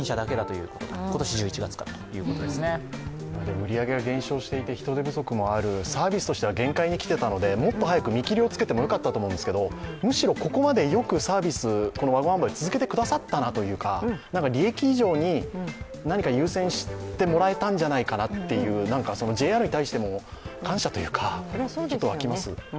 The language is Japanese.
売り上げが減少していて人手不足もあるサービスとしては限界に来ていたので、もっと早く見切りをつけてもよかったと思うんですけど、むしろここまでよくサービスワゴン販売を続けてくださったなというか利益以上に、何か優先してもらえたんじゃないかなという、ＪＲに対しても感謝というか、ちょっと沸きます。